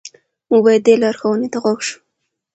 موږ باید دې لارښوونې ته غوږ شو.